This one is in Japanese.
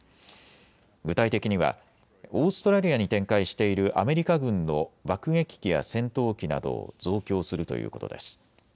具体的にはオーストラリアに展開しているアメリカ軍の爆撃機や戦闘機などを増強するということです。